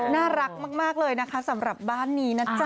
น่ารักมากเลยนะคะสำหรับบ้านนี้นะจ๊ะ